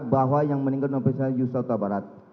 bahwa yang meninggal nomor enam yusof sabarat